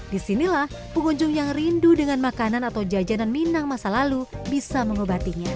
disinilah pengunjung yang rindu dengan makanan atau jajanan minang masa lalu bisa mengobatinya